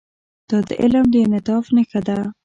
دا د علم د انعطاف نښه ده.